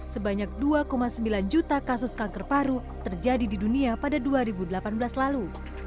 sebanyak dua sembilan juta kasus kanker paru terjadi di dunia pada dua ribu delapan belas lalu